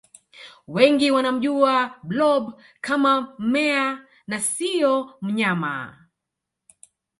wengi wanamjua blob kama mmea na siyo mnyama